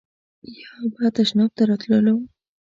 یا به تشناب ته تللو.